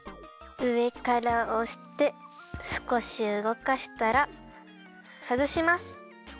うえからおしてすこしうごかしたらはずします。